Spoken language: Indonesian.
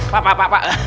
pak pak pak pak